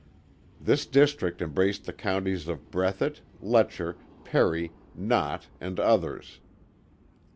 This district embraced the counties of Breathitt, Letcher, Perry, Knott and others.